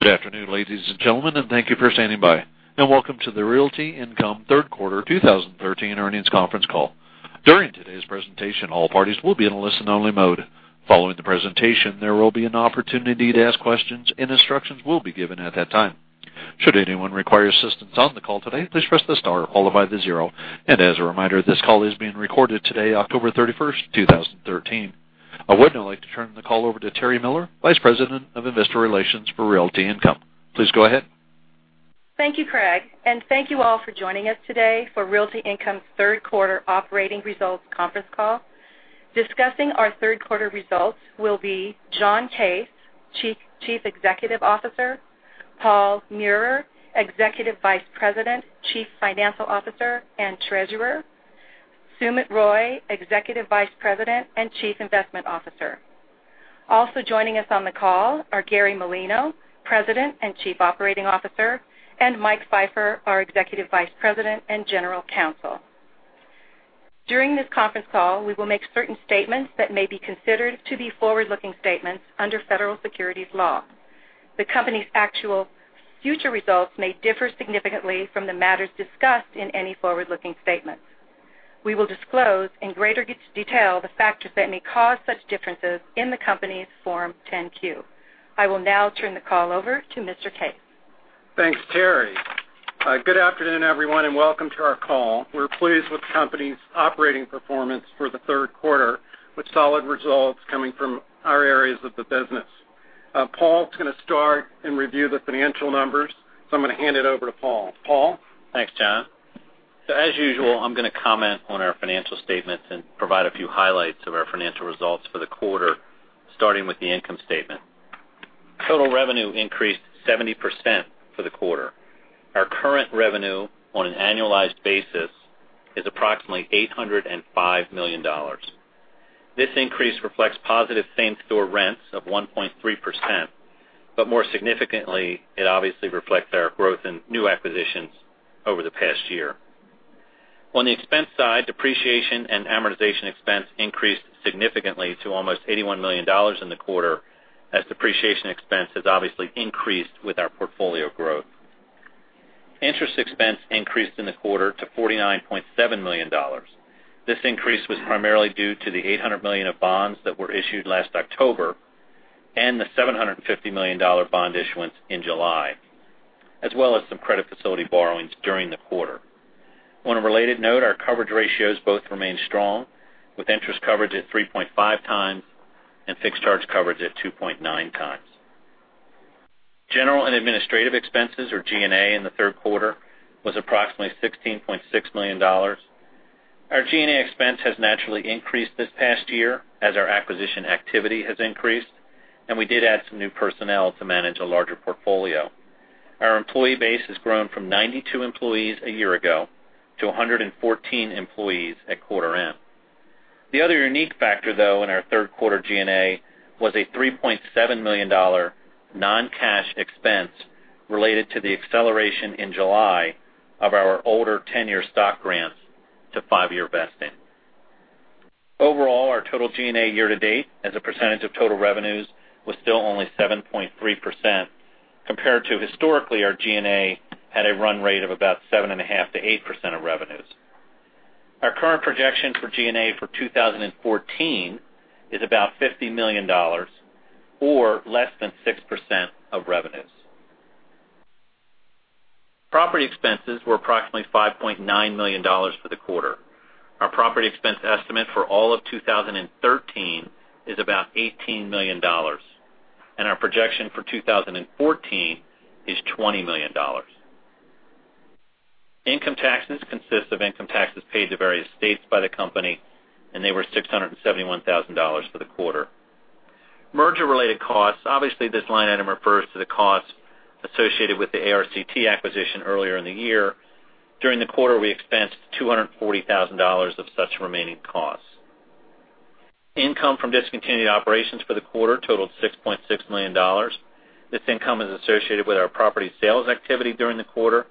Good afternoon, ladies and gentlemen, thank you for standing by. Welcome to the Realty Income Third Quarter 2013 Earnings Conference Call. During today's presentation, all parties will be in a listen-only mode. Following the presentation, there will be an opportunity to ask questions, and instructions will be given at that time. Should anyone require assistance on the call today, please press the star followed by the zero, and as a reminder, this call is being recorded today, October 31st, 2013. I would now like to turn the call over to Terry Miller, Vice President of Investor Relations for Realty Income. Please go ahead. Thank you, Craig, thank you all for joining us today for Realty Income's third quarter operating results conference call. Discussing our third quarter results will be John Case, Chief Executive Officer, Paul Meurer, Executive Vice President, Chief Financial Officer, and Treasurer, Sumit Roy, Executive Vice President and Chief Investment Officer. Also joining us on the call are Gary Malino, President and Chief Operating Officer, and Mike Pfeiffer, our Executive Vice President and General Counsel. During this conference call, we will make certain statements that may be considered to be forward-looking statements under federal securities law. The company's actual future results may differ significantly from the matters discussed in any forward-looking statements. We will disclose in greater detail the factors that may cause such differences in the company's Form 10-Q. I will now turn the call over to Mr. Case. Thanks, Terry. Good afternoon, everyone, welcome to our call. We're pleased with the company's operating performance for the third quarter, with solid results coming from our areas of the business. Paul's going to start and review the financial numbers. I'm going to hand it over to Paul. Paul? Thanks, John. As usual, I'm going to comment on our financial statements and provide a few highlights of our financial results for the quarter, starting with the income statement. Total revenue increased 70% for the quarter. Our current revenue on an annualized basis is approximately $805 million. This increase reflects positive same-store rents of 1.3%. More significantly, it obviously reflects our growth in new acquisitions over the past year. On the expense side, depreciation and amortization expense increased significantly to almost $81 million in the quarter, as depreciation expense has obviously increased with our portfolio growth. Interest expense increased in the quarter to $49.7 million. This increase was primarily due to the $800 million of bonds that were issued last October and the $750 million bond issuance in July, as well as some credit facility borrowings during the quarter. On a related note, our coverage ratios both remain strong, with interest coverage at 3.5 times and fixed charge coverage at 2.9 times. General and administrative expenses, or G&A, in the third quarter was approximately $16.6 million. Our G&A expense has naturally increased this past year as our acquisition activity has increased, and we did add some new personnel to manage a larger portfolio. Our employee base has grown from 92 employees a year ago to 114 employees at quarter end. The other unique factor, though, in our third quarter G&A was a $3.7 million non-cash expense related to the acceleration in July of our older tenure stock grants to 5-year vesting. Overall, our total G&A year-to-date as a percentage of total revenues was still only 7.3%, compared to historically, our G&A had a run rate of about 7.5%-8% of revenues. Our current projection for G&A for 2014 is about $50 million, or less than 6% of revenues. Property expenses were approximately $5.9 million for the quarter. Our property expense estimate for all of 2013 is about $18 million, and our projection for 2014 is $20 million. Income taxes consist of income taxes paid to various states by the company, and they were $671,000 for the quarter. Merger-related costs. This line item refers to the cost associated with the ARCT acquisition earlier in the year. During the quarter, we expensed $240,000 of such remaining costs. Income from discontinued operations for the quarter totaled $6.6 million. This income is associated with our property sales activity during the quarter.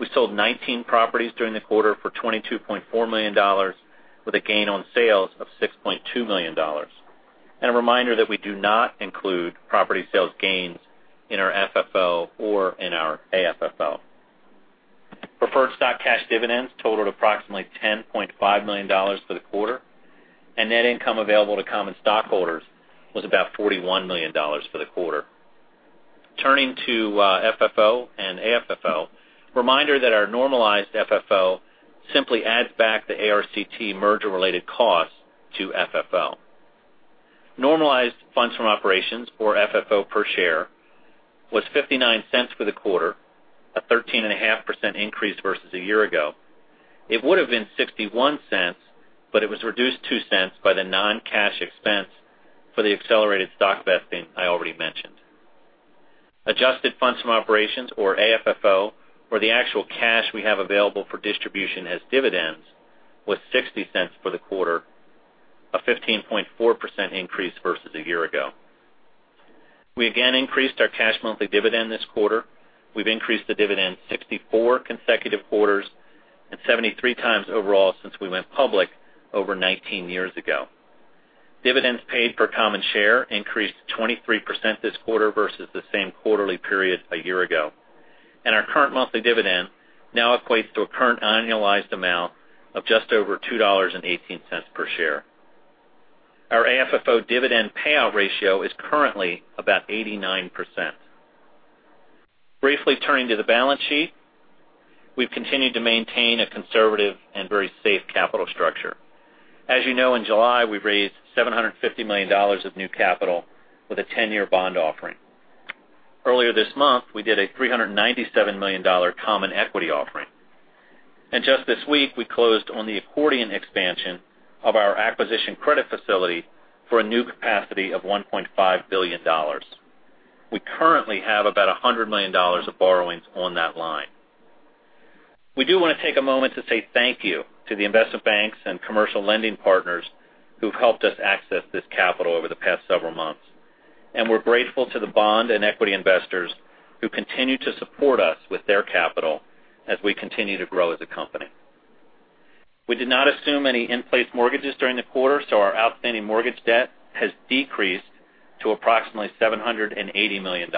We sold 19 properties during the quarter for $22.4 million, with a gain on sales of $6.2 million. A reminder that we do not include property sales gains in our FFO or in our AFFO. Preferred stock cash dividends totaled approximately $10.5 million for the quarter, and net income available to common stockholders was about $41 million for the quarter. Turning to FFO and AFFO, reminder that our normalized FFO simply adds back the ARCT merger-related costs to FFO. Normalized funds from operations, or FFO per share, was $0.59 for the quarter, a 13.5% increase versus a year ago. It would have been $0.61, but it was reduced $0.02 by the non-cash expense for the accelerated stock vesting I already mentioned. Adjusted funds from operations, or AFFO, or the actual cash we have available for distribution as dividends, was $0.60 for the quarter, a 15.4% increase versus a year ago. We again increased our cash monthly dividend this quarter. We've increased the dividend 64 consecutive quarters and 73 times overall since we went public over 19 years ago. Dividends paid per common share increased 23% this quarter versus the same quarterly period a year ago, and our current monthly dividend now equates to a current annualized amount of just over $2.18 per share. Our AFFO dividend payout ratio is currently about 89%. Briefly turning to the balance sheet. We've continued to maintain a conservative and very safe capital structure. As you know, in July, we raised $750 million of new capital with a 10-year bond offering. Earlier this month, we did a $397 million common equity offering. Just this week, we closed on the accordion expansion of our acquisition credit facility for a new capacity of $1.5 billion. We currently have about $100 million of borrowings on that line. We do want to take a moment to say thank you to the investor banks and commercial lending partners who've helped us access this capital over the past several months. We're grateful to the bond and equity investors who continue to support us with their capital as we continue to grow as a company. We did not assume any in-place mortgages during the quarter, so our outstanding mortgage debt has decreased to approximately $780 million.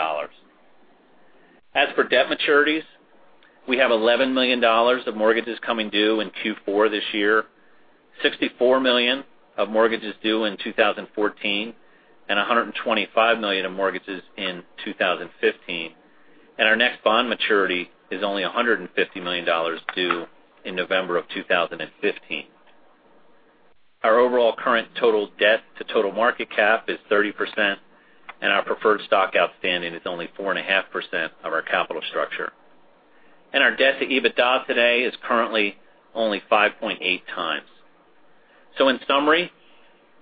As for debt maturities, we have $11 million of mortgages coming due in Q4 this year, $64 million of mortgages due in 2014, and $125 million of mortgages in 2015. Our next bond maturity is only $150 million due in November of 2015. Our overall current total debt to total market cap is 30%, and our preferred stock outstanding is only 4.5% of our capital structure. Our debt to EBITDA today is currently only 5.8 times. In summary,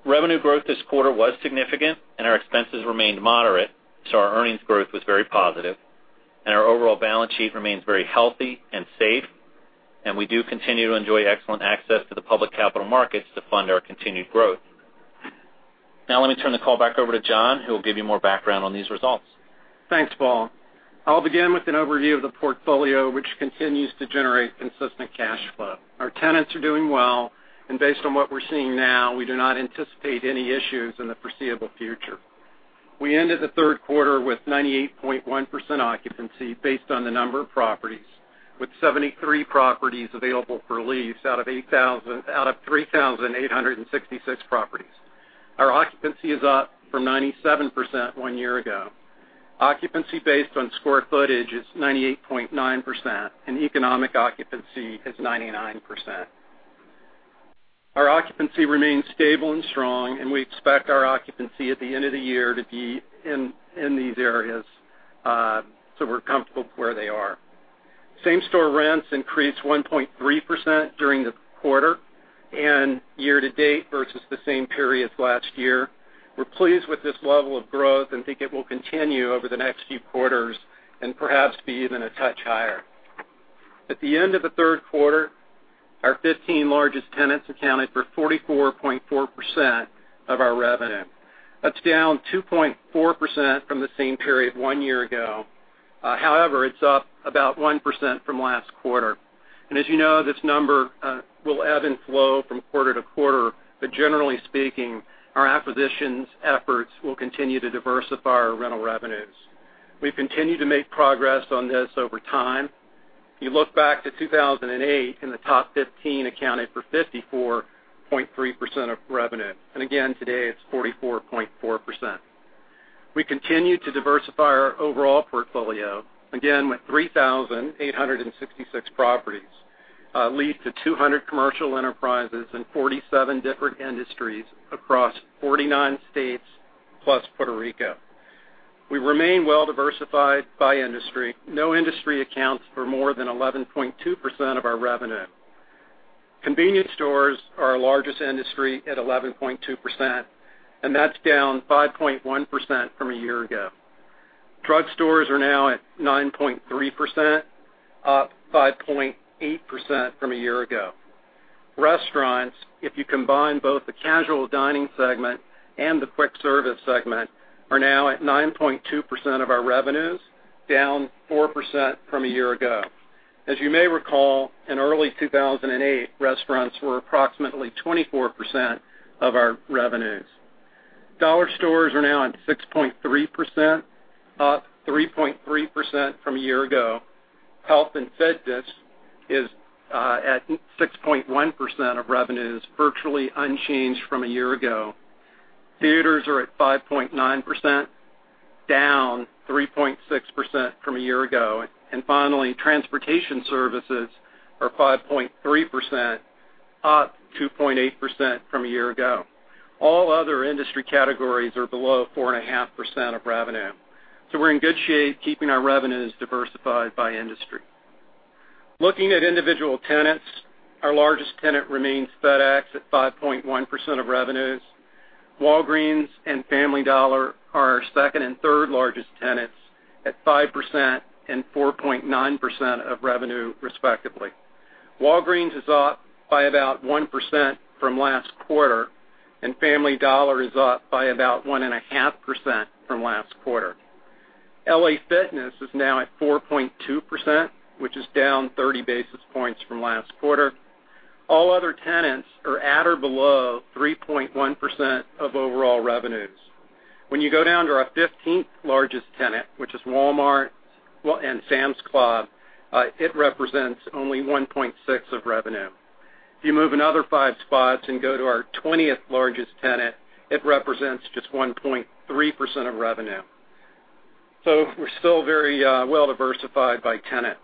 revenue growth this quarter was significant, and our expenses remained moderate, so our earnings growth was very positive. Our overall balance sheet remains very healthy and safe, and we do continue to enjoy excellent access to the public capital markets to fund our continued growth. Now let me turn the call back over to John, who will give you more background on these results. Thanks, Paul. I'll begin with an overview of the portfolio, which continues to generate consistent cash flow. Our tenants are doing well, and based on what we're seeing now, we do not anticipate any issues in the foreseeable future. We ended the third quarter with 98.1% occupancy based on the number of properties, with 73 properties available for lease out of 3,866 properties. Our occupancy is up from 97% one year ago. Occupancy based on square footage is 98.9%, and economic occupancy is 99%. Our occupancy remains stable and strong, and we expect our occupancy at the end of the year to be in these areas. We're comfortable with where they are. Same-store rents increased 1.3% during the quarter and year to date versus the same period last year. We're pleased with this level of growth and think it will continue over the next few quarters and perhaps be even a touch higher. At the end of the third quarter, our 15 largest tenants accounted for 44.4% of our revenue. That's down 2.4% from the same period one year ago. However, it's up about 1% from last quarter. As you know, this number will ebb and flow from quarter to quarter, but generally speaking, our acquisitions efforts will continue to diversify our rental revenues. We've continued to make progress on this over time. If you look back to 2008, the top 15 accounted for 54.3% of revenue. Again, today it's 44.4%. We continue to diversify our overall portfolio, again, with 3,866 properties leased to 200 commercial enterprises in 47 different industries across 49 states, plus Puerto Rico. We remain well-diversified by industry. No industry accounts for more than 11.2% of our revenue. Convenience stores are our largest industry at 11.2%, and that's down 5.1% from a year ago. Drug stores are now at 9.3%, up 5.8% from a year ago. Restaurants, if you combine both the casual dining segment and the quick service segment, are now at 9.2% of our revenues, down 4% from a year ago. As you may recall, in early 2008, restaurants were approximately 24% of our revenues. Dollar stores are now at 6.3%, up 3.3% from a year ago. Health and fitness is at 6.1% of revenues, virtually unchanged from a year ago. Theaters are at 5.9%, down 3.6% from a year ago. Finally, transportation services are 5.3%, up 2.8% from a year ago. All other industry categories are below 4.5% of revenue. So we're in good shape keeping our revenues diversified by industry. Looking at individual tenants, our largest tenant remains FedEx at 5.1% of revenues. Walgreens and Family Dollar are our second and third largest tenants at 5% and 4.9% of revenue respectively. Walgreens is up by about 1% from last quarter, and Family Dollar is up by about 1.5% from last quarter. LA Fitness is now at 4.2%, which is down 30 basis points from last quarter. All other tenants are at or below 3.1% of overall revenues. When you go down to our 15th largest tenant, which is Walmart and Sam's Club, it represents only 1.6% of revenue. If you move another five spots and go to our 20th largest tenant, it represents just 1.3% of revenue. So we're still very well-diversified by tenant.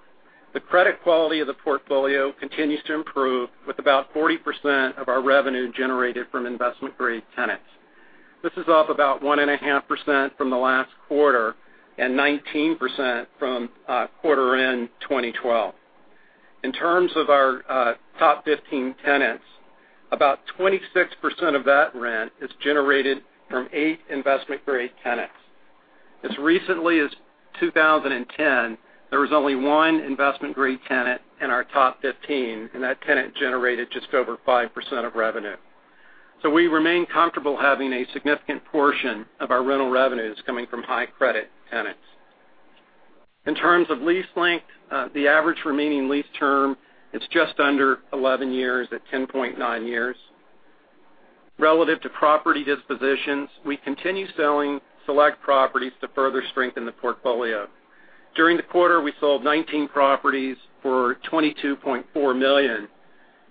The credit quality of the portfolio continues to improve with about 40% of our revenue generated from investment-grade tenants. This is up about 1.5% from the last quarter and 19% from quarter end 2012. In terms of our top 15 tenants, about 26% of that rent is generated from eight investment-grade tenants. As recently as 2010, there was only one investment-grade tenant in our top 15, and that tenant generated just over 5% of revenue. So we remain comfortable having a significant portion of our rental revenues coming from high-credit tenants. In terms of lease length, the average remaining lease term is just under 11 years, at 10.9 years. Relative to property dispositions, we continue selling select properties to further strengthen the portfolio. During the quarter, we sold 19 properties for $22.4 million,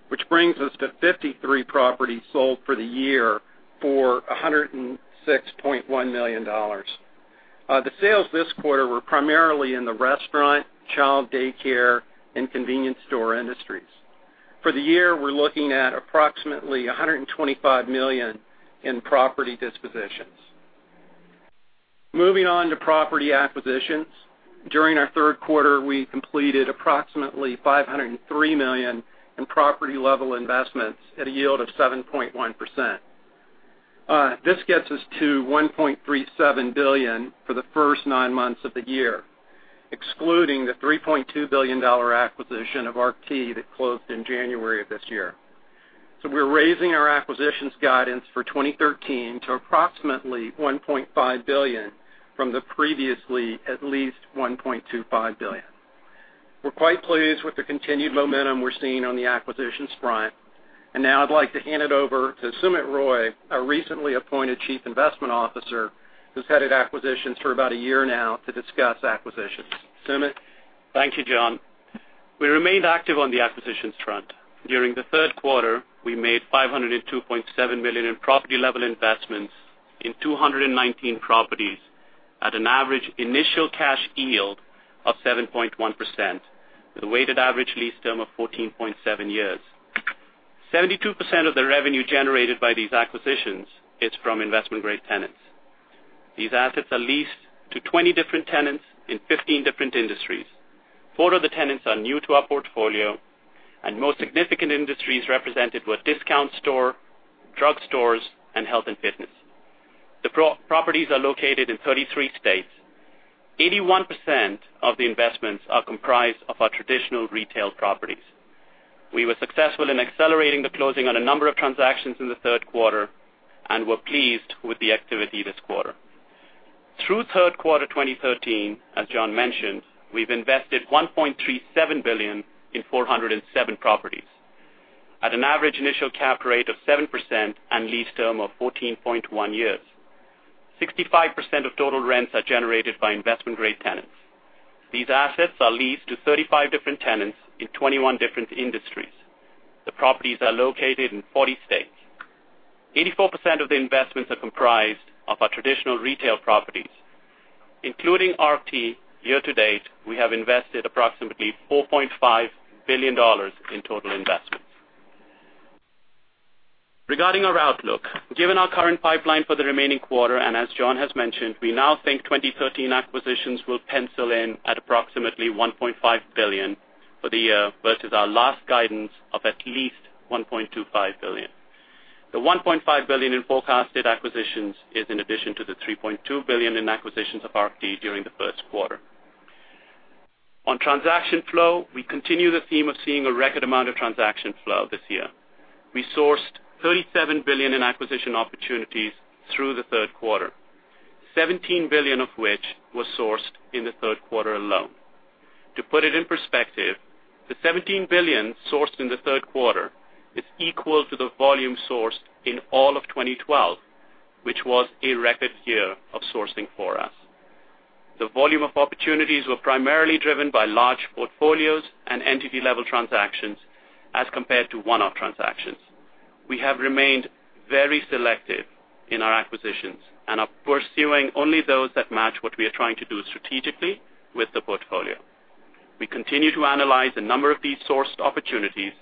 which brings us to 53 properties sold for the year for $106.1 million. The sales this quarter were primarily in the restaurant, child daycare, and convenience store industries. For the year, we're looking at approximately $125 million in property dispositions. Moving on to property acquisitions. During our third quarter, we completed approximately $503 million in property-level investments at a yield of 7.1%. This gets us to $1.37 billion for the first nine months of the year, excluding the $3.2 billion acquisition of ARCT that closed in January of this year. So we're raising our acquisitions guidance for 2013 to approximately $1.5 billion from the previously at least $1.25 billion. We're quite pleased with the continued momentum we're seeing on the acquisitions front. Now I'd like to hand it over to Sumit Roy, our recently appointed Chief Investment Officer, who's headed acquisitions for about a year now, to discuss acquisitions. Sumit? Thank you, John. We remained active on the acquisitions front. During the third quarter, we made $502.7 million in property-level investments in 219 properties at an average initial cash yield of 7.1%, with a weighted average lease term of 14.7 years. 72% of the revenue generated by these acquisitions is from investment-grade tenants. These assets are leased to 20 different tenants in 15 different industries. Four of the tenants are new to our portfolio, and most significant industries represented were discount store, drug stores, and health and fitness. The properties are located in 33 states. 81% of the investments are comprised of our traditional retail properties. We were successful in accelerating the closing on a number of transactions in the third quarter and were pleased with the activity this quarter. Through third quarter 2013, as John mentioned, we've invested $1.37 billion in 407 properties at an average initial cap rate of 7% and lease term of 14.1 years. 65% of total rents are generated by investment-grade tenants. These assets are leased to 35 different tenants in 21 different industries. The properties are located in 40 states. 84% of the investments are comprised of our traditional retail properties, including ARCT. Year to date, we have invested approximately $4.5 billion in total investments. Regarding our outlook, given our current pipeline for the remaining quarter, and as John has mentioned, we now think 2013 acquisitions will pencil in at approximately $1.5 billion for the year, versus our last guidance of at least $1.25 billion. The $1.5 billion in forecasted acquisitions is in addition to the $3.2 billion in acquisitions of ARCT during the first quarter. On transaction flow, we continue the theme of seeing a record amount of transaction flow this year. We sourced $37 billion in acquisition opportunities through the third quarter, $17 billion of which was sourced in the third quarter alone. To put it in perspective, the $17 billion sourced in the third quarter is equal to the volume sourced in all of 2012, which was a record year of sourcing for us. The volume of opportunities were primarily driven by large portfolios and entity-level transactions as compared to one-off transactions. We have remained very selective in our acquisitions and are pursuing only those that match what we are trying to do strategically with the portfolio. We continue to analyze a number of these sourced opportunities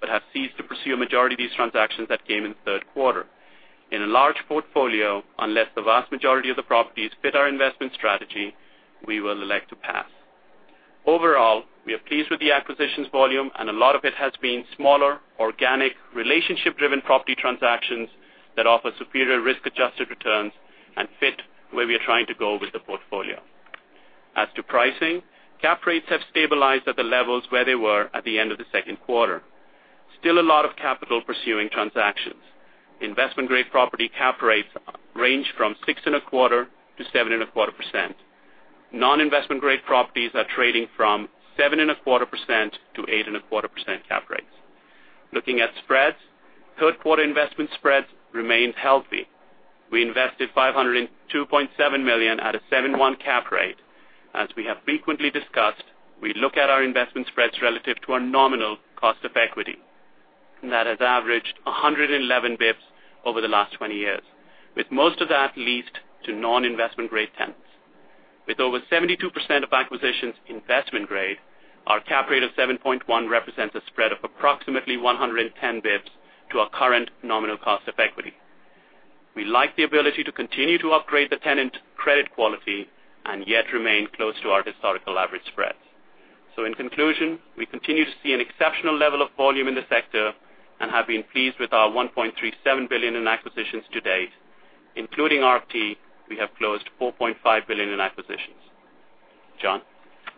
but have ceased to pursue a majority of these transactions that came in the third quarter. In a large portfolio, unless the vast majority of the properties fit our investment strategy, we will elect to pass. Overall, we are pleased with the acquisitions volume, and a lot of it has been smaller, organic, relationship-driven property transactions that offer superior risk-adjusted returns and fit where we are trying to go with the portfolio. As to pricing, cap rates have stabilized at the levels where they were at the end of the second quarter. Still a lot of capital pursuing transactions. Investment-grade property cap rates range from 6.25%-7.25%. Non-investment-grade properties are trading from 7.25%-8.25% cap rates. Looking at spreads, third quarter investment spreads remained healthy. We invested $502.7 million at a 7.1 cap rate. As we have frequently discussed, we look at our investment spreads relative to our nominal cost of equity. That has averaged 111 basis points over the last 20 years, with most of that leased to non-investment-grade tenants. With over 72% of acquisitions investment grade, our cap rate of 7.1 represents a spread of approximately 110 basis points to our current nominal cost of equity. We like the ability to continue to upgrade the tenant credit quality and yet remain close to our historical average spreads. In conclusion, we continue to see an exceptional level of volume in the sector and have been pleased with our $1.37 billion in acquisitions to date. Including (ARCT), we have closed $4.5 billion in acquisitions. John?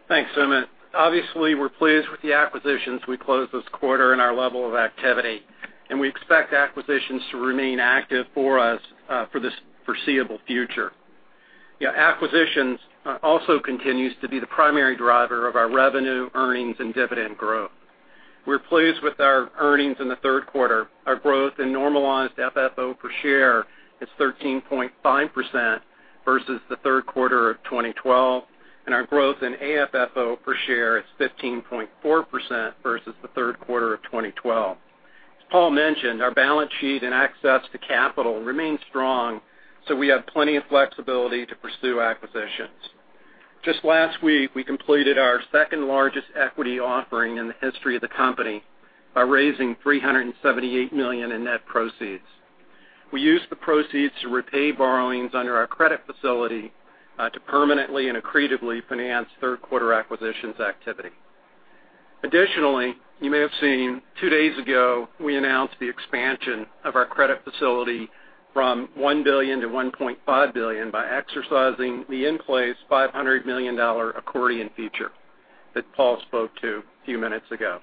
Thanks, Sumit. Obviously, we're pleased with the acquisitions we closed this quarter and our level of activity. We expect acquisitions to remain active for us for the foreseeable future. Acquisitions also continues to be the primary driver of our revenue, earnings and dividend growth. We're pleased with our earnings in the third quarter. Our growth in normalized FFO per share is 13.5% versus the third quarter of 2012, and our growth in AFFO per share is 15.4% versus the third quarter of 2012. As Paul mentioned, our balance sheet and access to capital remain strong. We have plenty of flexibility to pursue acquisitions. Just last week, we completed our second-largest equity offering in the history of the company by raising $378 million in net proceeds. We used the proceeds to repay borrowings under our credit facility to permanently and accretively finance third-quarter acquisitions activity. Additionally, you may have seen two days ago, we announced the expansion of our credit facility from $1 billion to $1.5 billion by exercising the in-place $500 million accordion feature that Paul spoke to a few minutes ago.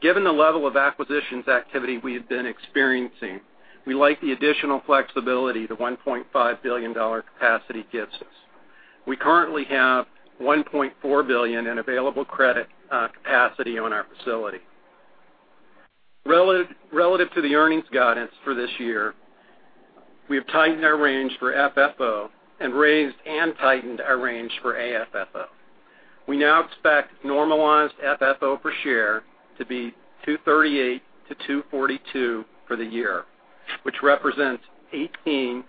Given the level of acquisitions activity we have been experiencing, we like the additional flexibility the $1.5 billion capacity gives us. We currently have $1.4 billion in available credit capacity on our facility. Relative to the earnings guidance for this year, we've tightened our range for FFO and raised and tightened our range for AFFO. We now expect normalized FFO per share to be $2.38-$2.42 for the year, which represents 18%-20%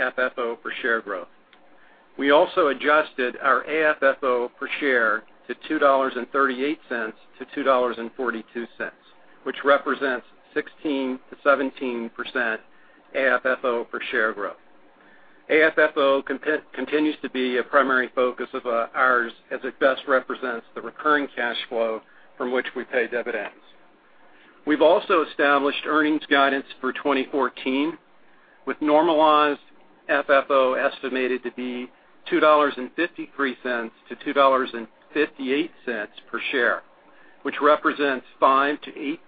FFO per share growth. We also adjusted our AFFO per share to $2.38-$2.42, which represents 16%-17% AFFO per share growth. AFFO continues to be a primary focus of ours as it best represents the recurring cash flow from which we pay dividends. We've also established earnings guidance for 2014, with normalized FFO estimated to be $2.53-$2.58 per share, which represents 5%-8%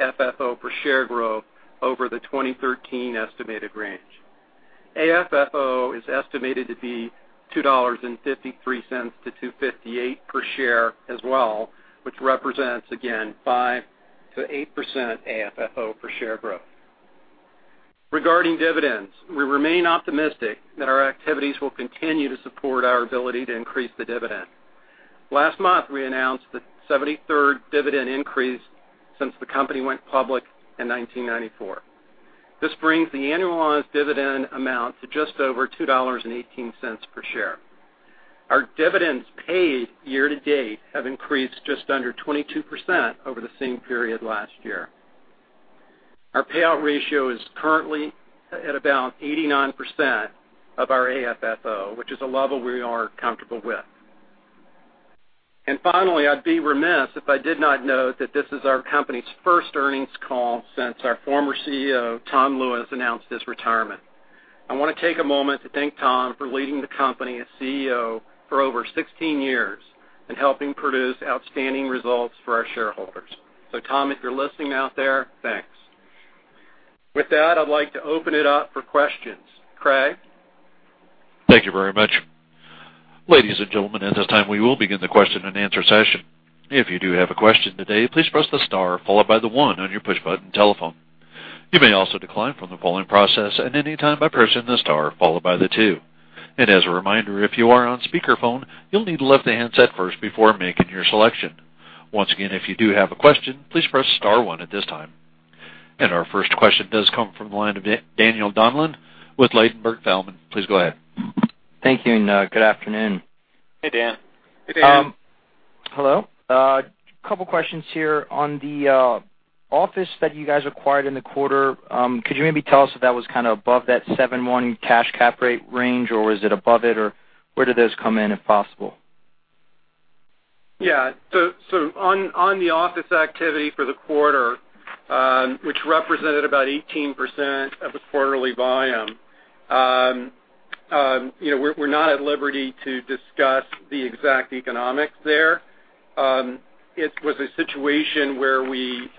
FFO per share growth over the 2013 estimated range. AFFO is estimated to be $2.53-$2.58 per share as well, which represents again 5%-8% AFFO per share growth. Regarding dividends, we remain optimistic that our activities will continue to support our ability to increase the dividend. Last month, we announced the 73rd dividend increase since the company went public in 1994. This brings the annualized dividend amount to just over $2.18 per share. Our dividends paid year-to-date have increased just under 22% over the same period last year. Our payout ratio is currently at about 89% of our AFFO, which is a level we are comfortable with. Finally, I'd be remiss if I did not note that this is our company's first earnings call since our former CEO, Tom Lewis, announced his retirement. I want to take a moment to thank Tom for leading the company as CEO for over 16 years and helping produce outstanding results for our shareholders. Tom, if you're listening out there, thanks. With that, I'd like to open it up for questions. Craig? Thank you very much. Ladies and gentlemen, at this time we will begin the question and answer session. If you do have a question today, please press the star followed by the one on your push button telephone. You may also decline from the polling process at any time by pressing the star followed by the two. As a reminder, if you are on speakerphone, you'll need to lift the handset first before making your selection. Once again, if you do have a question, please press star one at this time. Our first question does come from the line of Daniel Donlan with Ladenburg Thalmann. Please go ahead. Thank you, and good afternoon. Hey, Dan. Hey, Dan. Hello. A couple questions here on the office that you guys acquired in the quarter. Could you maybe tell us if that was kind of above that 7.1 cash cap rate range, or is it above it, or where did those come in, if possible? On the office activity for the quarter, which represented about 18% of the quarterly volume. We're not at liberty to discuss the exact economics there. It was a situation where we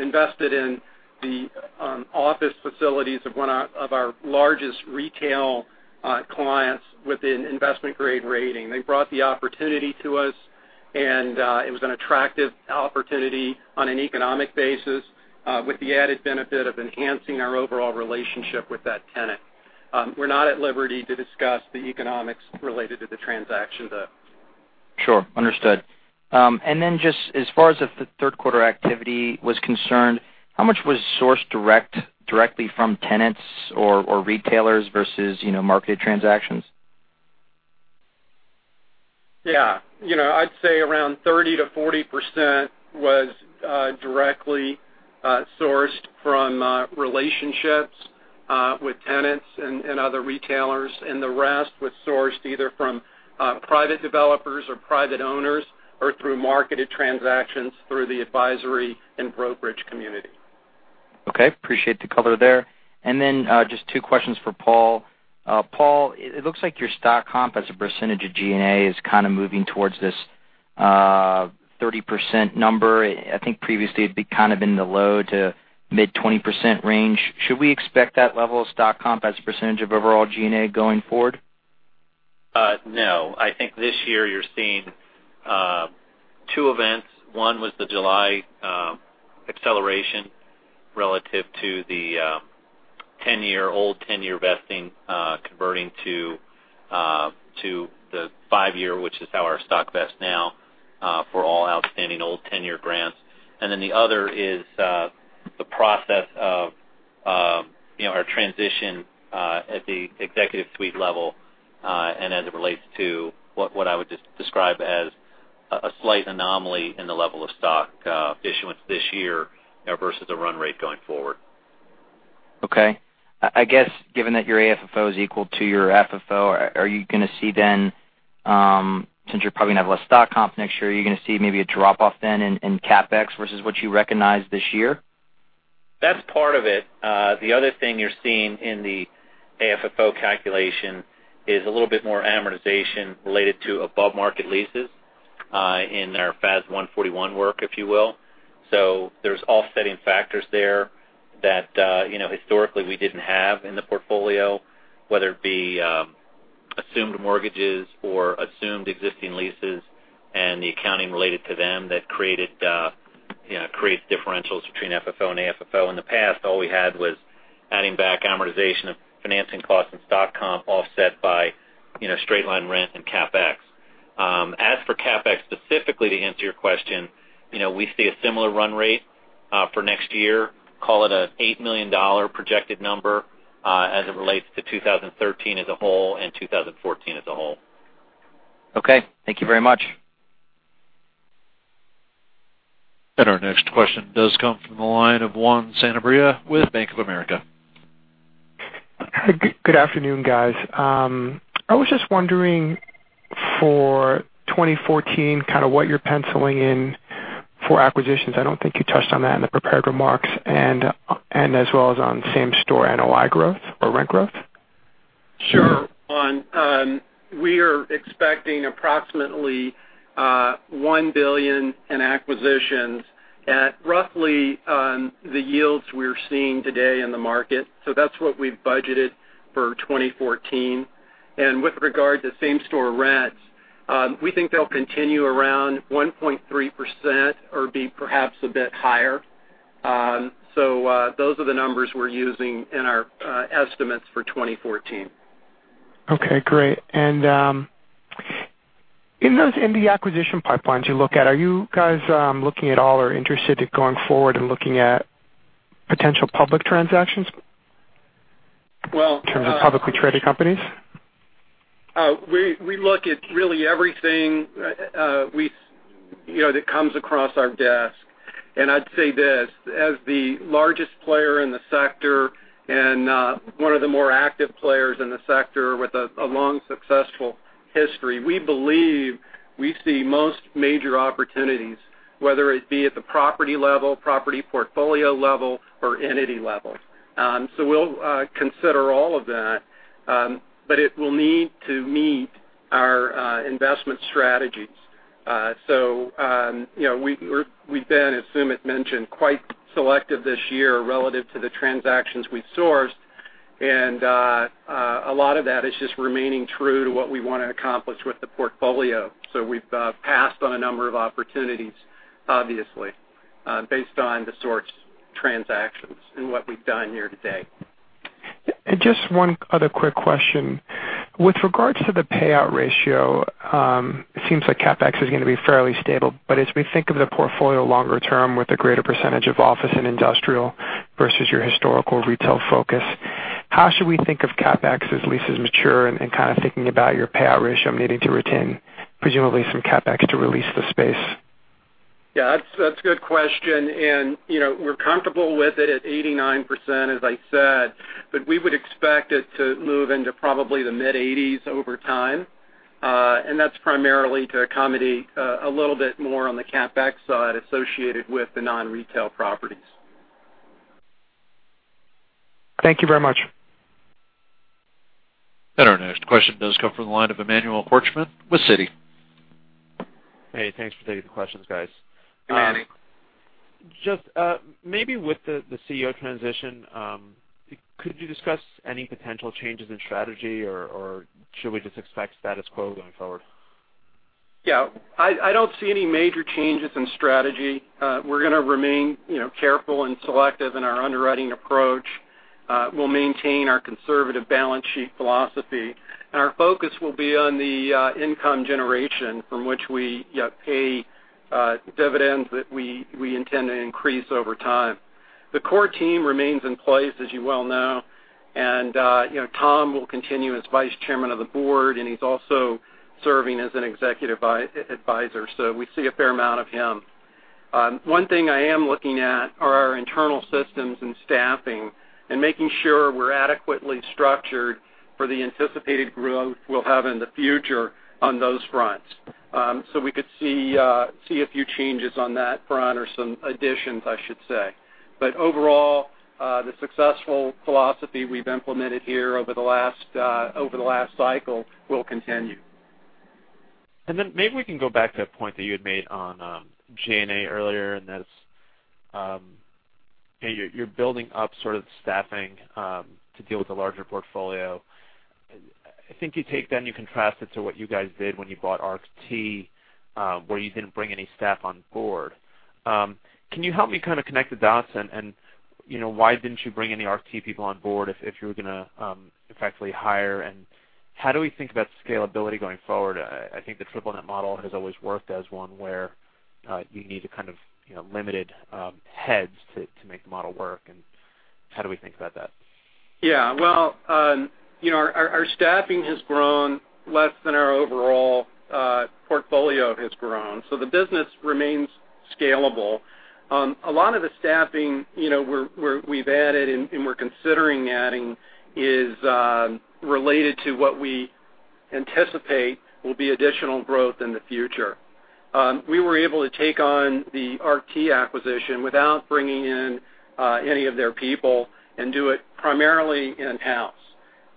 invested in the office facilities of one of our largest retail clients with an investment-grade rating. They brought the opportunity to us, and it was an attractive opportunity on an economic basis, with the added benefit of enhancing our overall relationship with that tenant. We're not at liberty to discuss the economics related to the transaction, though. Sure. Understood. Just as far as if the third quarter activity was concerned, how much was sourced directly from tenants or retailers versus marketed transactions? Yeah. I'd say around 30% to 40% was directly sourced from relationships with tenants and other retailers, and the rest was sourced either from private developers or private owners or through marketed transactions through the advisory and brokerage community. Okay. Appreciate the color there. Then just two questions for Paul. Paul, it looks like your stock comp as a percentage of G&A is kind of moving towards this 30% number. I think previously it'd be kind of in the low to mid 20% range. Should we expect that level of stock comp as a percentage of overall G&A going forward? No, I think this year you're seeing two events. One was the July acceleration relative to the old 10-year vesting converting to the 5-year, which is how our stock vests now for all outstanding old tenure grants. Then the other is the process of our transition at the executive suite level and as it relates to what I would describe as a slight anomaly in the level of stock issuance this year versus a run rate going forward. Okay. I guess given that your AFFO is equal to your FFO, are you going to see then, since you're probably going to have less stock comp next year, are you going to see maybe a drop-off then in CapEx versus what you recognized this year? That's part of it. The other thing you're seeing in the AFFO calculation is a little bit more amortization related to above-market leases in our FAS 141 work, if you will. There's offsetting factors there that historically we didn't have in the portfolio, whether it be assumed mortgages or assumed existing leases and the accounting related to them that creates differentials between FFO and AFFO. In the past, all we had was adding back amortization of financing costs and stock comp offset by straight line rent and CapEx. As for CapEx, specifically to answer your question, we see a similar run rate for next year. Call it an $8 million projected number as it relates to 2013 as a whole and 2014 as a whole. Okay. Thank you very much. Our next question does come from the line of Juan Sanabria with Bank of America. Good afternoon, guys. I was just wondering for 2014, kind of what you're penciling in for acquisitions. I don't think you touched on that in the prepared remarks, and as well as on same-store NOI growth or rent growth. Sure. Juan, we are expecting approximately $1 billion in acquisitions at roughly the yields we're seeing today in the market. That's what we've budgeted for 2014. With regard to same-store rents, we think they'll continue around 1.3% or be perhaps a bit higher. Those are the numbers we're using in our estimates for 2014. Okay, great. In the acquisition pipelines you look at, are you guys looking at all or interested in going forward and looking at potential public transactions- Well- in terms of publicly traded companies? We look at really everything that comes across our desk. I'd say this, as the largest player in the sector and one of the more active players in the sector with a long, successful history, we believe we see most major opportunities, whether it be at the property level, property portfolio level, or entity level. We'll consider all of that. It will need to meet our investment strategies. We've been, as Sumit mentioned, quite selective this year relative to the transactions we sourced, and a lot of that is just remaining true to what we want to accomplish with the portfolio. We've passed on a number of opportunities, obviously, based on the sourced transactions and what we've done here today. Just one other quick question. With regards to the payout ratio, it seems like CapEx is going to be fairly stable. As we think of the portfolio longer term with a greater % of office and industrial versus your historical retail focus, how should we think of CapEx as leases mature and kind of thinking about your payout ratio needing to retain presumably some CapEx to re-lease the space? Yeah, that's a good question. We're comfortable with it at 89%, as I said, but we would expect it to move into probably the mid-80s over time. That's primarily to accommodate a little bit more on the CapEx side associated with the non-retail properties. Thank you very much. Our next question does come from the line of Emmanuel Korchman with Citi. Hey, thanks for taking the questions, guys. Hey, Manny. Just maybe with the CEO transition, could you discuss any potential changes in strategy, or should we just expect status quo going forward? Yeah. I don't see any major changes in strategy. We're going to remain careful and selective in our underwriting approach. We'll maintain our conservative balance sheet philosophy, and our focus will be on the income generation from which we pay dividends that we intend to increase over time. The core team remains in place, as you well know. Tom will continue as vice chairman of the board, and he's also serving as an executive advisor, so we see a fair amount of him. One thing I am looking at are our internal systems and staffing and making sure we're adequately structured for the anticipated growth we'll have in the future on those fronts. We could see a few changes on that front or some additions, I should say. Overall, the successful philosophy we've implemented here over the last cycle will continue. Maybe we can go back to that point that you had made on G&A earlier, and that's you're building up sort of staffing to deal with the larger portfolio. I think you take that and you contrast it to what you guys did when you bought ARCT, where you didn't bring any staff on board. Can you help me kind of connect the dots and why didn't you bring any ARCT people on board if you were going to effectively hire, and how do we think about scalability going forward? I think the triple net model has always worked as one where you need to kind of limited heads to make the model work and how do we think about that? Well, our staffing has grown less than our overall portfolio has grown, the business remains scalable. A lot of the staffing we've added and we're considering adding is related to what we anticipate will be additional growth in the future. We were able to take on the ARCT acquisition without bringing in any of their people and do it primarily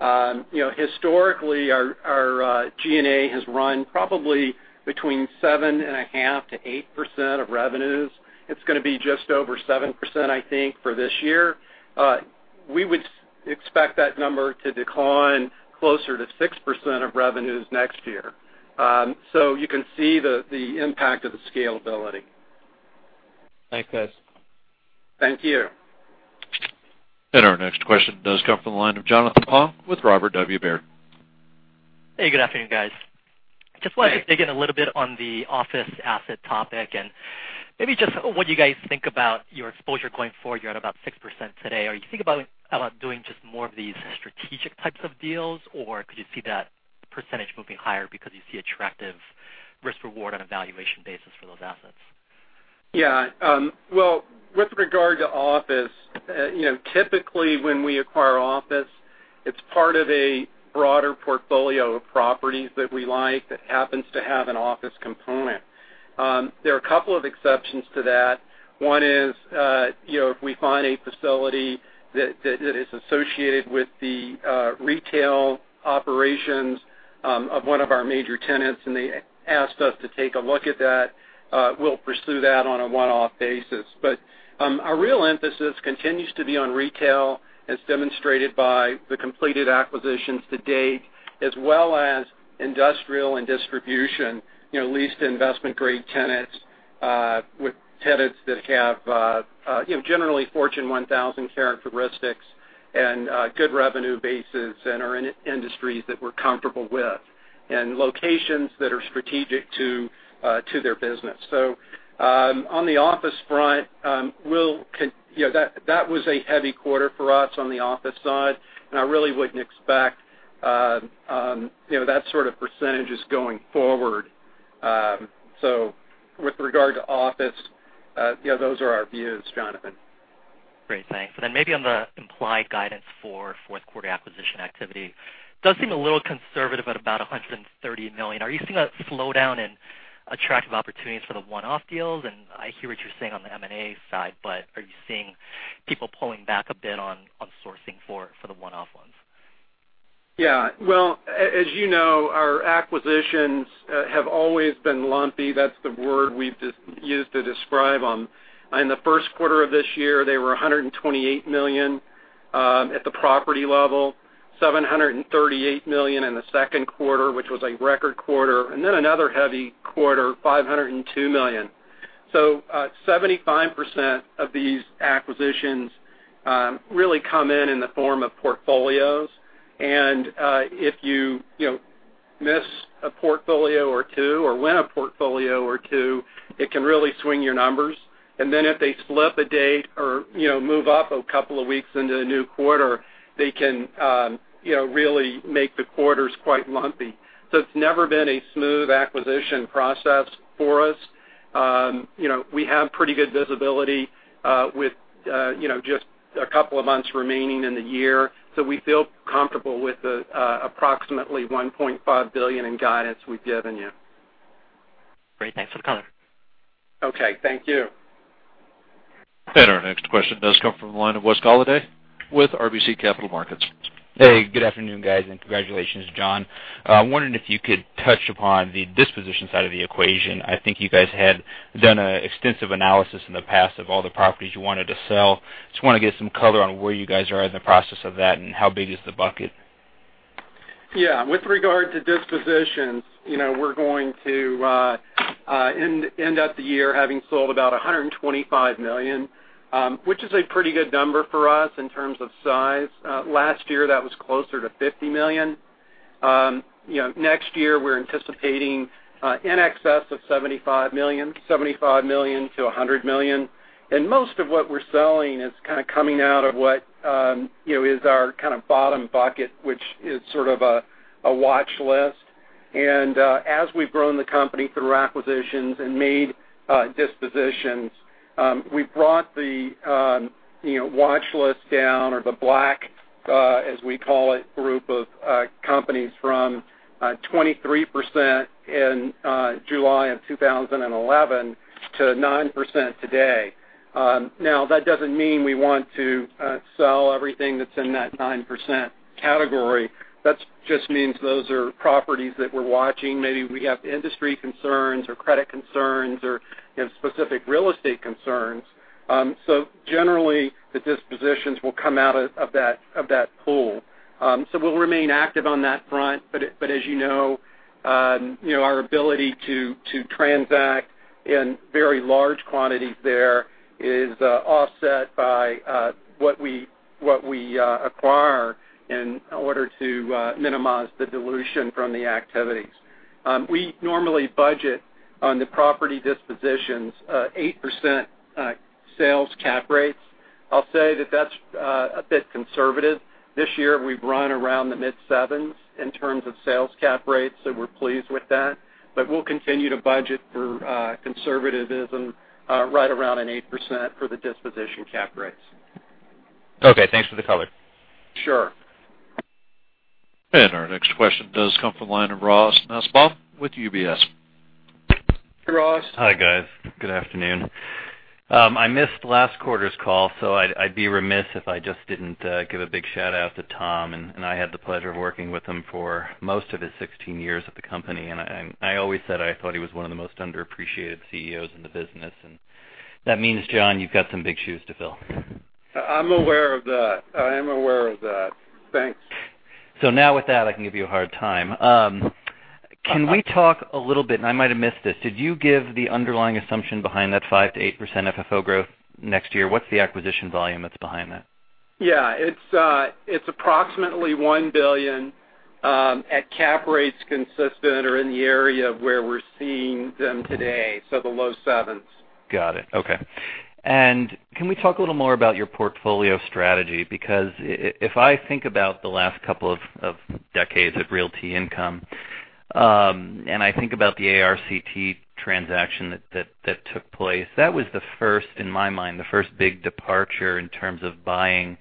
in-house. Historically, our G&A has run probably between 7.5%-8% of revenues. It's going to be just over 7%, I think, for this year. We would expect that number to decline closer to 6% of revenues next year. You can see the impact of the scalability. Thanks, guys. Thank you. Our next question does come from the line of Jonathan Pong with Robert W. Baird. Hey, good afternoon, guys. Hey. Just wanted to dig in a little bit on the office asset topic and maybe just what you guys think about your exposure going forward. You're at about 6% today. Are you think about doing just more of these strategic types of deals, or could you see that percentage moving higher because you see attractive risk-reward on a valuation basis for those assets? Yeah. Well, with regard to office, typically when we acquire office, it's part of a broader portfolio of properties that we like that happens to have an office component. There are a couple of exceptions to that. One is, if we find a facility that is associated with the retail operations of one of our major tenants and they asked us to take a look at that, we'll pursue that on a one-off basis. Our real emphasis continues to be on retail as demonstrated by the completed acquisitions to date as well as industrial and distribution, leased investment-grade tenants with tenants that have generally Fortune 1000 characteristics and good revenue bases and are in industries that we're comfortable with and locations that are strategic to their business. On the office front, that was a heavy quarter for us on the office side, I really wouldn't expect those sort of percentages going forward. With regard to office, those are our views, Jonathan. Great, thanks. Maybe on the implied guidance for fourth quarter acquisition activity. Does seem a little conservative at about $130 million. Are you seeing a slowdown in attractive opportunities for the one-off deals? I hear what you're saying on the M&A side, are you seeing people pulling back a bit on sourcing for the one-off ones? Well, as you know, our acquisitions have always been lumpy. That's the word we've used to describe them. In the first quarter of this year, they were $128 million at the property level, $738 million in the second quarter, which was a record quarter, another heavy quarter, $502 million. 75% of these acquisitions really come in in the form of portfolios. If you miss a portfolio or two, or win a portfolio or two, it can really swing your numbers. If they slip a date or move up a couple of weeks into the new quarter, they can really make the quarters quite lumpy. It's never been a smooth acquisition process for us. We have pretty good visibility with just a couple of months remaining in the year, so we feel comfortable with the approximately $1.5 billion in guidance we've given you. Great. Thanks for the color. Okay. Thank you. Our next question does come from the line of Wes Golladay with RBC Capital Markets. Hey, good afternoon, guys, congratulations, John. I wondered if you could touch upon the disposition side of the equation. I think you guys had done an extensive analysis in the past of all the properties you wanted to sell. Just want to get some color on where you guys are in the process of that, and how big is the bucket? Yeah. With regard to dispositions, we're going to end out the year having sold about $125 million, which is a pretty good number for us in terms of size. Last year, that was closer to $50 million. Next year, we're anticipating in excess of $75 million-$100 million. Most of what we're selling is kind of coming out of what is our kind of bottom bucket, which is sort of a watch list. As we've grown the company through acquisitions and made dispositions, we've brought the watch list down, or the black, as we call it, group of companies from 23% in July of 2011 to 9% today. That doesn't mean we want to sell everything that's in that 9% category. That just means those are properties that we're watching. Maybe we have industry concerns or credit concerns or specific real estate concerns. Generally, the dispositions will come out of that pool. We'll remain active on that front, but as you know, our ability to transact in very large quantities there is offset by what we acquire in order to minimize the dilution from the activities. We normally budget on the property dispositions 8% sales cap rates. I'll say that that's a bit conservative. This year, we've run around the mid-7s in terms of sales cap rates, so we're pleased with that. We'll continue to budget for conservativism right around an 8% for the disposition cap rates. Okay, thanks for the color. Sure. Our next question does come from the line of Ross Nussbaum with UBS. Hey, Ross. Hi, guys. Good afternoon. I missed last quarter's call, so I would be remiss if I just didn't give a big shout-out to Tom. I had the pleasure of working with him for most of his 16 years at the company. I always said I thought he was one of the most underappreciated CEOs in the business. That means, John, you've got some big shoes to fill. I'm aware of that. Thanks. Now with that, I can give you a hard time. Can we talk a little bit, and I might have missed this, did you give the underlying assumption behind that 5%-8% FFO growth next year? What's the acquisition volume that's behind that? Yeah. It's approximately $1 billion at cap rates consistent or in the area of where we're seeing them today, so the low 7s. Got it. Okay. Can we talk a little more about your portfolio strategy? If I think about the last couple of decades at Realty Income, I think about the ARCT transaction that took place, that was, in my mind, the first big departure in terms of buying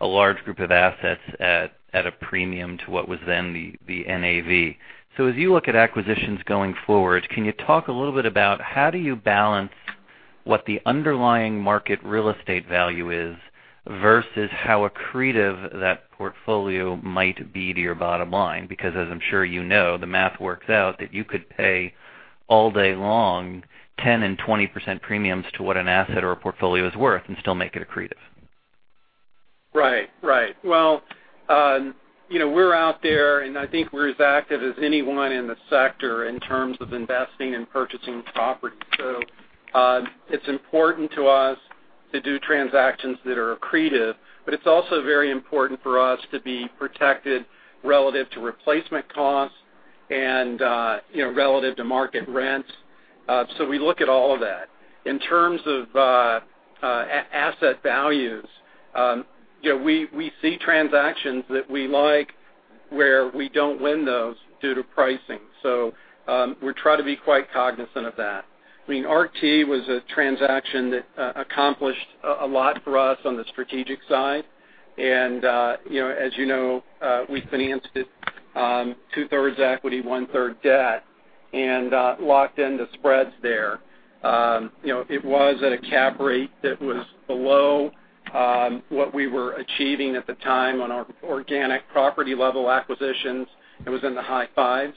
a large group of assets at a premium to what was then the NAV. As you look at acquisitions going forward, can you talk a little bit about how do you balance what the underlying market real estate value is versus how accretive that portfolio might be to your bottom line? Because as I'm sure you know, the math works out that you could pay all day long 10 and 20% premiums to what an asset or a portfolio is worth and still make it accretive. Right. We're out there, I think we're as active as anyone in the sector in terms of investing and purchasing property. It's important to us to do transactions that are accretive, it's also very important for us to be protected relative to replacement costs and relative to market rents. We look at all of that. In terms of asset values, we see transactions that we like where we don't win those due to pricing. We try to be quite cognizant of that. ARCT was a transaction that accomplished a lot for us on the strategic side. As you know, we financed it two-thirds equity, one-third debt, and locked in the spreads there. It was at a cap rate that was below what we were achieving at the time on our organic property-level acquisitions. It was in the high fives.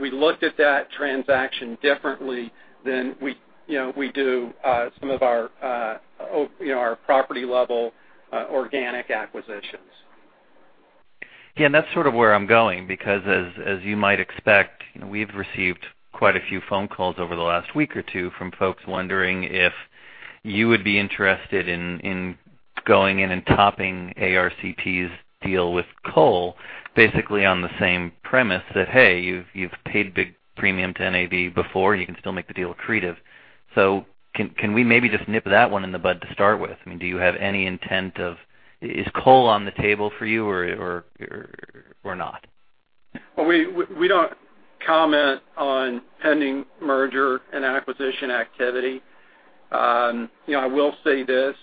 We looked at that transaction differently than we do some of our property-level organic acquisitions. That's sort of where I'm going, as you might expect, we've received quite a few phone calls over the last week or two from folks wondering if you would be interested in going in and topping ARCT's deal with Cole, basically on the same premise that, hey, you've paid big premium to NAV before, you can still make the deal accretive. Can we maybe just nip that one in the bud to start with? Is Cole on the table for you or not? We don't comment on pending merger and acquisition activity. I will say this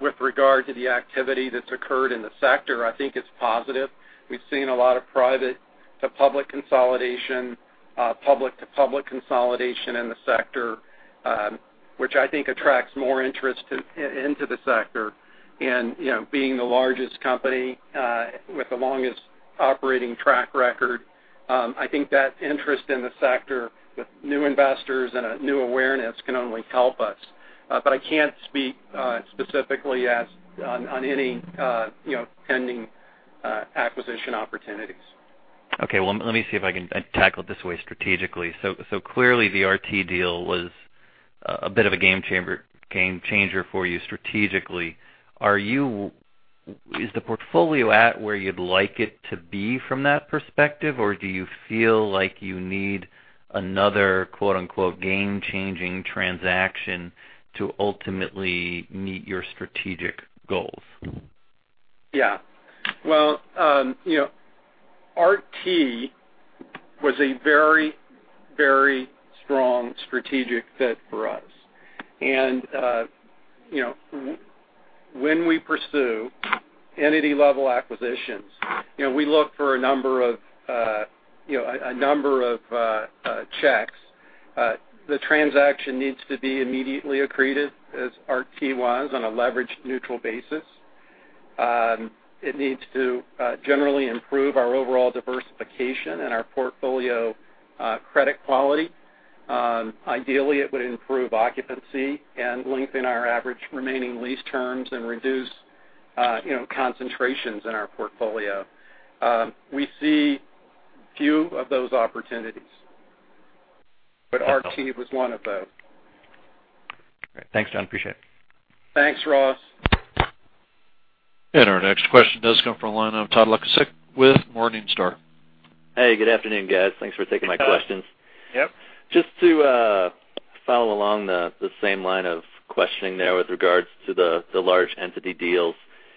with regard to the activity that's occurred in the sector, I think it's positive. We've seen a lot of private-to-public consolidation, public-to-public consolidation in the sector, which I think attracts more interest into the sector. Being the largest company with the longest operating track record, I think that interest in the sector with new investors and a new awareness can only help us. I can't speak specifically on any pending acquisition opportunities. Let me see if I can tackle it this way strategically. Clearly, the ARCT deal was a bit of a game-changer for you strategically. Is the portfolio at where you'd like it to be from that perspective, or do you feel like you need another, quote-unquote, game-changing transaction to ultimately meet your strategic goals? ARCT was a very strong strategic fit for us. When we pursue entity-level acquisitions, we look for a number of checks. The transaction needs to be immediately accretive, as ARCT was on a leverage-neutral basis. It needs to generally improve our overall diversification and our portfolio credit quality. Ideally, it would improve occupancy and lengthen our average remaining lease terms and reduce concentrations in our portfolio. We see few of those opportunities, ARCT was one of those. Great. Thanks, John. Appreciate it. Thanks, Ross. Our next question does come from the line of Todd Lukasik with Morningstar. Hey, good afternoon, guys. Thanks for taking my questions. Hey, Todd. Yep. Just to follow along the same line of questioning there with regards to the large entity deals.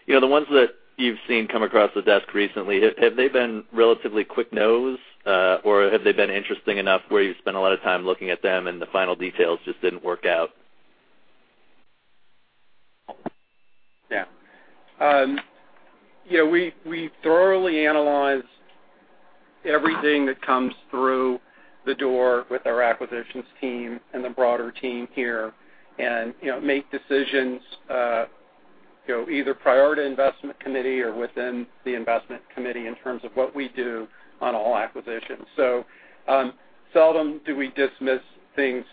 The ones that you've seen come across the desk recently, have they been relatively quick no's or have they been interesting enough where you've spent a lot of time looking at them and the final details just didn't work out? Yeah. We thoroughly analyze everything that comes through the door with our acquisitions team and the broader team here and make decisions, either prior to investment committee or within the investment committee in terms of what we do on all acquisitions. Seldom do we dismiss things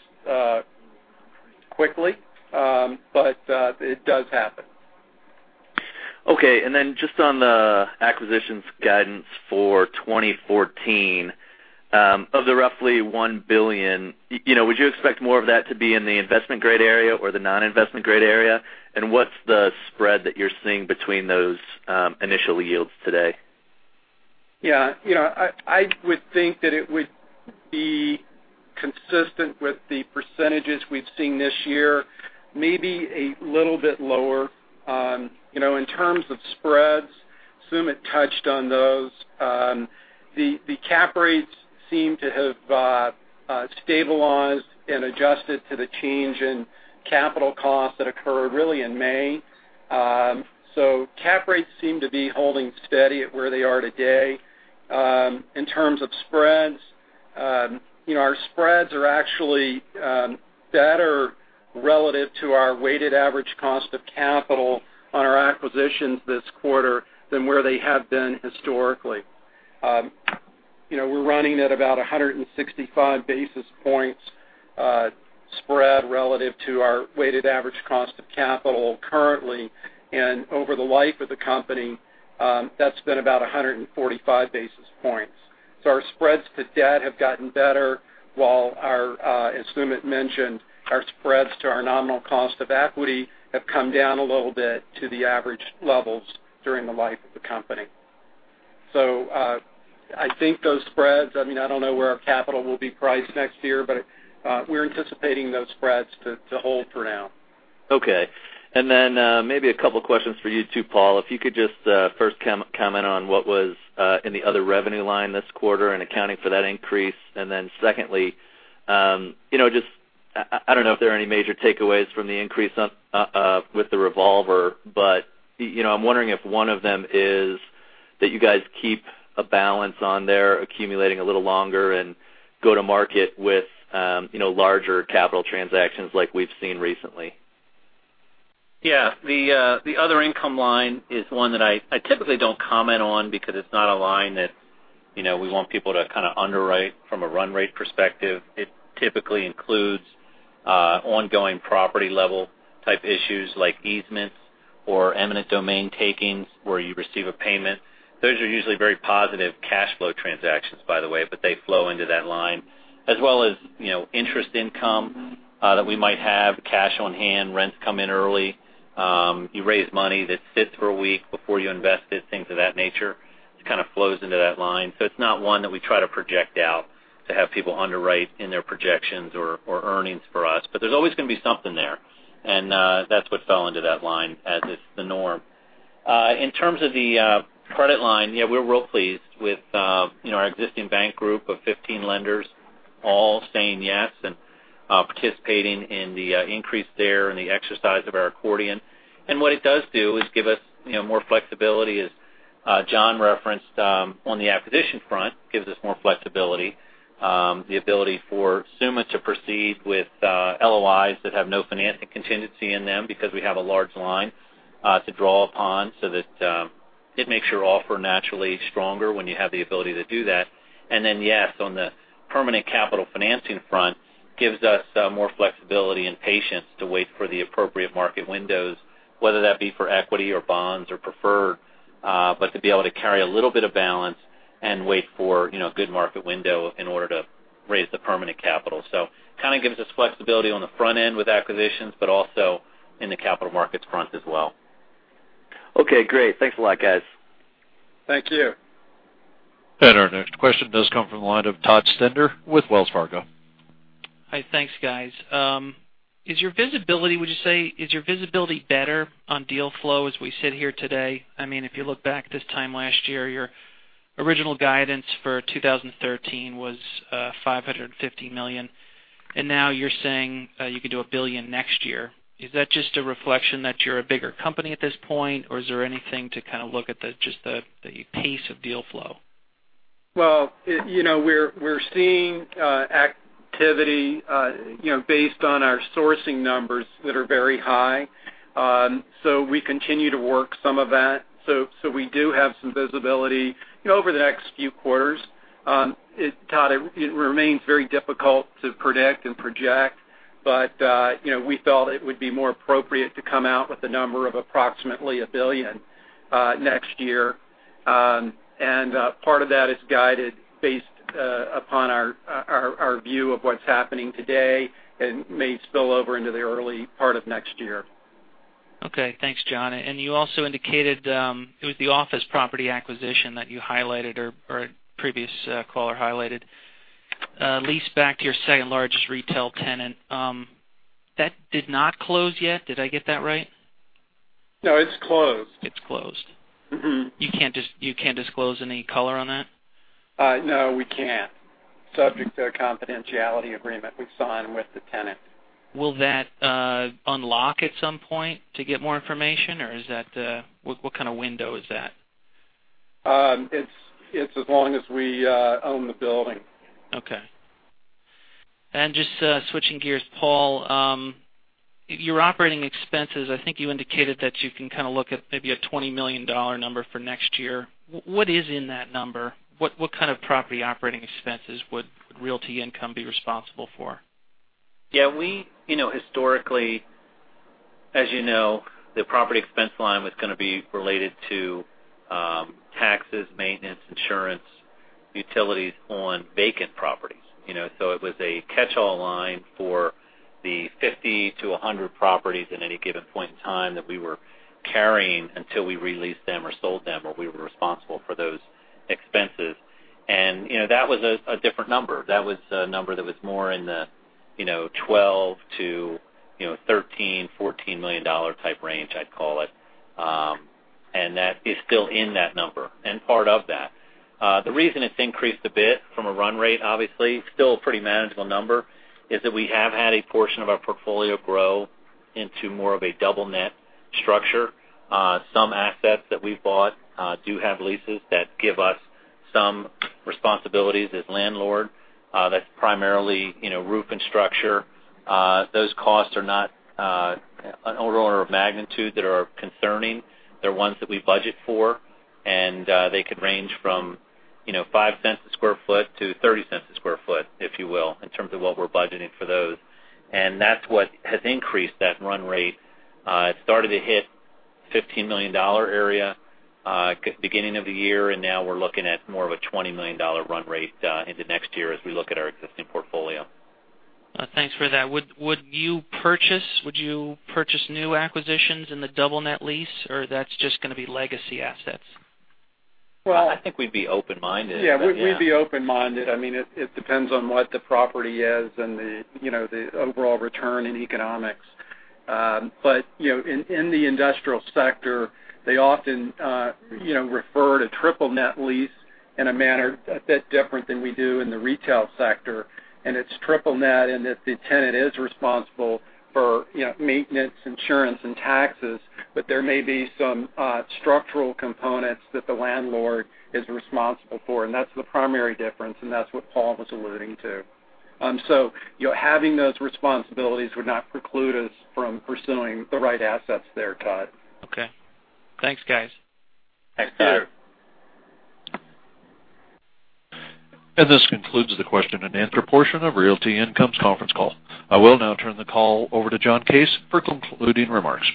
quickly, but it does happen. Okay. Just on the acquisitions guidance for 2014. Of the roughly $1 billion, would you expect more of that to be in the investment-grade area or the non-investment grade area? What's the spread that you're seeing between those initial yields today? Yeah. I would think that it would be consistent with the percentages we've seen this year, maybe a little bit lower. In terms of spreads, Sumit touched on those. The cap rates seem to have stabilized and adjusted to the change in capital costs that occurred really in May. Cap rates seem to be holding steady at where they are today. In terms of spreads, our spreads are actually better relative to our weighted average cost of capital on our acquisitions this quarter than where they have been historically. We're running at about 165 basis points spread relative to our weighted average cost of capital currently. Over the life of the company, that's been about 145 basis points. Our spreads to debt have gotten better, while our, as Sumit mentioned, our spreads to our nominal cost of equity have come down a little bit to the average levels during the life of the company. I think those spreads, I don't know where our capital will be priced next year, but we're anticipating those spreads to hold for now. Okay. Maybe a couple questions for you, too, Paul. If you could just first comment on what was in the other revenue line this quarter and accounting for that increase. Secondly, I don't know if there are any major takeaways from the increase with the revolver, but I'm wondering if one of them is that you guys keep a balance on there accumulating a little longer and go to market with larger capital transactions like we've seen recently. Yeah. The other income line is one that I typically don't comment on because it's not a line that we want people to underwrite from a run rate perspective. It typically includes ongoing property-level type issues like easements or eminent domain takings, where you receive a payment. Those are usually very positive cash flow transactions, by the way, but they flow into that line. As well as interest income that we might have, cash on hand, rents come in early. You raise money that sits for a week before you invest it, things of that nature. It kind of flows into that line. It's not one that we try to project out to have people underwrite in their projections or earnings for us. There's always going to be something there, and that's what fell into that line as is the norm. In terms of the credit line, we're real pleased with our existing bank group of 15 lenders all saying yes and participating in the increase there and the exercise of our accordion. What it does do is give us more flexibility, as John referenced on the acquisition front, gives us more flexibility. The ability for Sumit to proceed with LOIs that have no financing contingency in them because we have a large line to draw upon, so that it makes your offer naturally stronger when you have the ability to do that. Yes, on the permanent capital financing front, gives us more flexibility and patience to wait for the appropriate market windows, whether that be for equity or bonds or preferred, but to be able to carry a little bit of balance and wait for good market window in order to raise the permanent capital. Kind of gives us flexibility on the front end with acquisitions, but also in the capital markets front as well. Okay, great. Thanks a lot, guys. Thank you. Our next question does come from the line of Todd Stender with Wells Fargo. Hi, thanks guys. Would you say, is your visibility better on deal flow as we sit here today? If you look back this time last year, your original guidance for 2013 was $550 million, and now you're saying you could do $1 billion next year. Is that just a reflection that you're a bigger company at this point, or is there anything to kind of look at just the pace of deal flow? Well, we're seeing activity based on our sourcing numbers that are very high. We continue to work some of that. We do have some visibility over the next few quarters. Todd, it remains very difficult to predict and project, but we felt it would be more appropriate to come out with a number of approximately $1 billion next year. Part of that is guided based upon our view of what's happening today and may spill over into the early part of next year. Okay. Thanks, John. You also indicated it was the office property acquisition that you highlighted, or a previous caller highlighted, leased back to your second-largest retail tenant. That did not close yet, did I get that right? No, it's closed. It's closed. You can't disclose any color on that? No, we can't. Subject to a confidentiality agreement we've signed with the tenant. Will that unlock at some point to get more information, or what kind of window is that? It's as long as we own the building. Okay. Just switching gears, Paul, your operating expenses, I think you indicated that you can kind of look at maybe a $20 million number for next year. What is in that number? What kind of property operating expenses would Realty Income be responsible for? Yeah. Historically, as you know, the property expense line was going to be related to taxes, maintenance, insurance, utilities on vacant properties. It was a catchall line for the 50 to 100 properties in any given point in time that we were carrying until we re-leased them or sold them, or we were responsible for those expenses. That was a different number. That was a number that was more in the $12 million-$14 million type range, I'd call it. That is still in that number and part of that. The reason it's increased a bit from a run rate, obviously, still a pretty manageable number, is that we have had a portion of our portfolio grow into more of a double net structure. Some assets that we've bought do have leases that give us some responsibilities as landlord. That's primarily roof and structure. Those costs are not an order of magnitude that are concerning. They're ones that we budget for, and they could range from $0.05 a square foot to $0.30 a square foot, if you will, in terms of what we're budgeting for those. That's what has increased that run rate. It started to hit $15 million area beginning of the year, now we're looking at more of a $20 million run rate into next year as we look at our existing portfolio. Thanks for that. Would you purchase new acquisitions in the double net lease, or that's just going to be legacy assets? Well, I think we'd be open-minded. Yeah, we'd be open-minded. It depends on what the property is and the overall return in economics. In the industrial sector, they often refer to triple net lease in a manner a bit different than we do in the retail sector. It's triple net in that the tenant is responsible for maintenance, insurance, and taxes, but there may be some structural components that the landlord is responsible for, and that's the primary difference, and that's what Paul was alluding to. Having those responsibilities would not preclude us from pursuing the right assets there, Todd. Okay. Thanks, guys. Thanks, Todd. Thank you. This concludes the question and answer portion of Realty Income's conference call. I will now turn the call over to John Case for concluding remarks.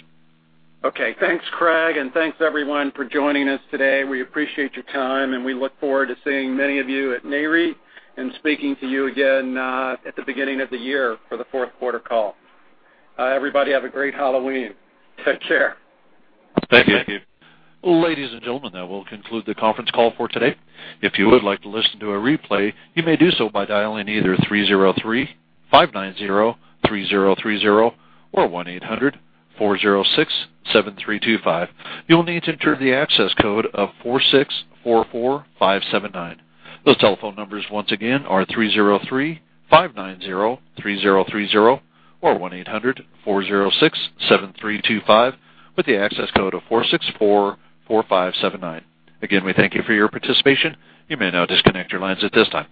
Okay, thanks Craig, thanks everyone for joining us today. We appreciate your time, and we look forward to seeing many of you at Nareit and speaking to you again at the beginning of the year for the fourth quarter call. Everybody have a great Halloween. Take care. Thank you. Thank you. Ladies and gentlemen, that will conclude the conference call for today. If you would like to listen to a replay, you may do so by dialing either 303-590-3030 or 1-800-406-7325. You will need to enter the access code of 4644579. Those telephone numbers once again are 303-590-3030 or 1-800-406-7325 with the access code of 4644579. Again, we thank you for your participation. You may now disconnect your lines at this time.